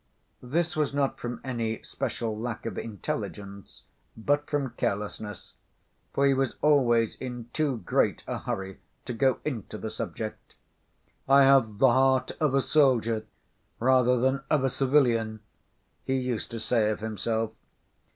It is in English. This was not from any special lack of intelligence, but from carelessness, for he was always in too great a hurry to go into the subject. "I have the heart of a soldier rather than of a civilian," he used to say of himself.